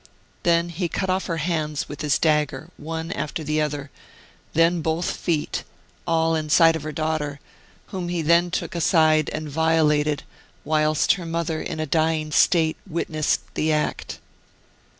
Then he cut off her hands with his dagger, one after the other, then both her feet, all in sight of her daughter, whom he then took aside and violated, whilst her mother, in a dying state, witnessed the act.